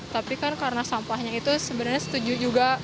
tapi kan karena sampahnya itu sebenarnya setuju juga